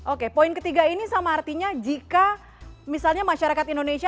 oke poin ketiga ini sama artinya jika misalnya masyarakat indonesia